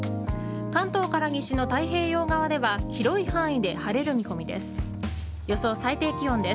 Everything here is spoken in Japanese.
関東から西の太平洋側では広い範囲で晴れる見込みです。